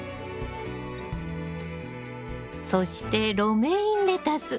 そしてロメインレタス。